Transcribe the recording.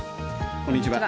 こんにちは。